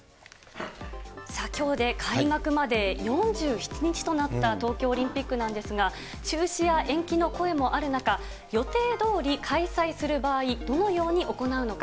さあ、きょうで開幕まで４７日となった東京オリンピックなんですが、中止や延期の声もある中、予定どおり開催する場合、どのように行うのか。